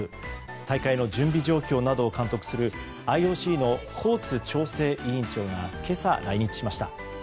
大会の準備状況などを監督するＩＯＣのコーツ調整委員長が今朝、来日しました。